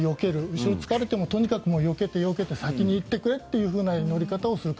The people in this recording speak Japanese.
後ろにつかれてもとにかくよけて、よけて先に行ってくれという乗り方をする。